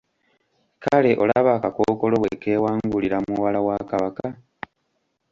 Kale olaba akakookolo bwe kewangulira muwala wa kabaka.